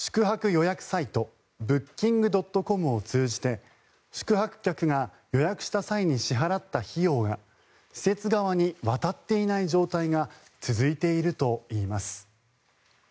予約サイトブッキングドットコムを通じて宿泊客が予約した際に支払った費用が施設側に渡っていない状況が続いているといいます。